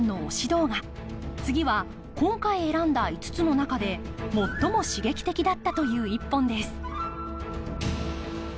次は今回選んだ５つの中で最も刺激的だったという１本です。